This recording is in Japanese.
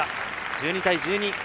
１２対１２。